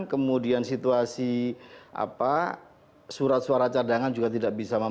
kemudian situasi apa surat surat cadangan juga tidak bisa dijelaskan